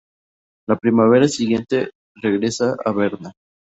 La primavera siguiente regresa a Berna.